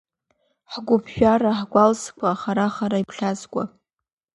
Ҳгәыԥжәара, ҳгәалсқәа хара-хара иԥхьазкуа.